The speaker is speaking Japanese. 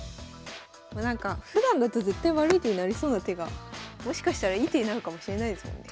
もうなんかふだんだと絶対悪い手になりそうな手がもしかしたらいい手になるかもしれないですもんね。